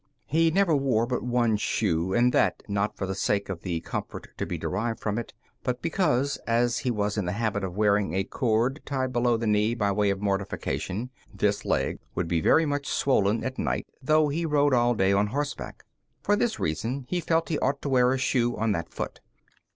He never wore but one shoe, and that not for the sake of the comfort to be derived from it, but because, as he was in the habit of wearing a cord tied below the knee by way of mortification, this leg would be very much swollen at night, though he rode all day on horseback. For this reason, he felt he ought to wear a shoe on that foot.